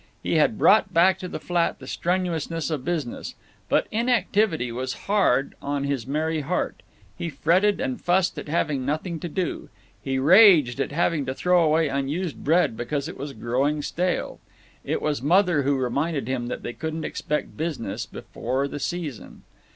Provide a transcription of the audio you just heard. He had brought back to the flat the strenuousness of business. But inactivity was hard on his merry heart; he fretted and fussed at having nothing to do; he raged at having to throw away unused bread because it was growing stale. It was Mother who reminded him that they couldn't expect business before the season.